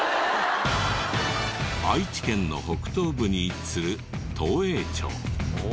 愛知県の北東部に位置する東栄町。